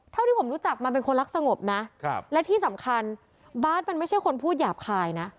เท่าที่ผมรู้จักมันเป็นคนรักสงบนะและที่สำคัญบาร์ดมันไม่ใช่คนพูดหยาบคายนะ